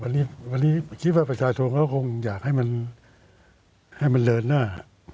วันนี้คิดว่าประชาชนเขาคงอยากให้มันให้มันเลินหน้า